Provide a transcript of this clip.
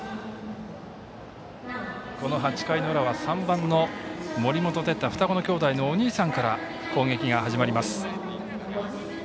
８回の裏は３番の森本哲太双子の兄弟のお兄さんから攻撃が始まります。